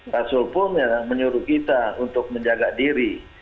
rasulullah menyuruh kita untuk menjaga diri